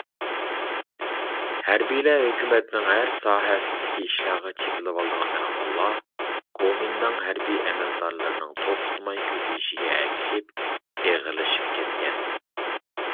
ھەربىيلەر ھۆكۈمەتنىڭ ھەر ساھەسىدىكى ئىشلارغا چېپىلىۋالىدىغان ئەھۋاللار گومىنداڭ ھەربىي ئەمەلدارلىرىنىڭ توختىماي كۆپىيىشىگە ئەگىشىپ ئېغىرلىشىپ كەتكەن.